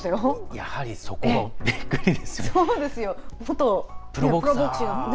やはりそこ、びっくりですね。